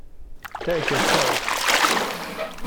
Take your choice!